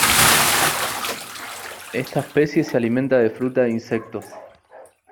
Esta especie se alimenta de fruta e insectos.